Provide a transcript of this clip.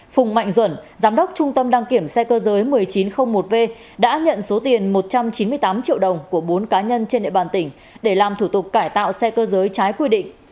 phùng mạnh duẩn giám đốc trung tâm đăng kiểm xe cơ giới một nghìn chín trăm linh một v đã nhận số tiền một trăm chín mươi tám triệu đồng của bốn cá nhân trên địa bàn tỉnh để làm thủ tục cải tạo xe cơ giới trái quy định